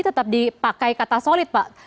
tetap dipakai kata solid pak